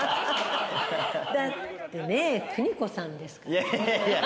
だってね、邦子さんですからね。